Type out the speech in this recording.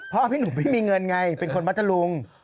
พ่อพี่หนูไม่มีเงินไงเป็นคนพัทธรรม